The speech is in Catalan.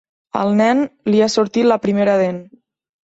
Al nen, li ha sortit la primera dent.